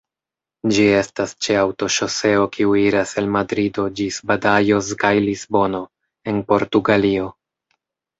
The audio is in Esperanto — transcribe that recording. Ĝi estas ĉe aŭtoŝoseo kiu iras el Madrido ĝis Badajoz kaj Lisbono, en Portugalio.